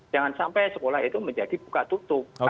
jangan sampai sekolah itu menjadi buka tutup